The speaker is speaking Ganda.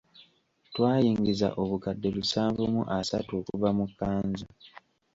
Twayingiza obukadde lusanvu mu asatu okuva mu kkanzu.